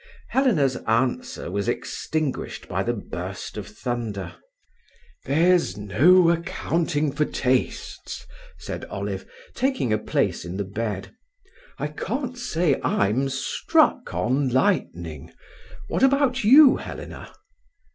Helena's answer was extinguished by the burst of thunder. "There's no accounting for tastes," said Olive, taking a place in the bed. "I can't say I'm struck on lightning. What about you, Helena?"